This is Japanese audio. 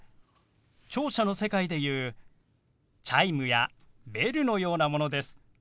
聴者の世界で言うチャイムやベルのようなものです。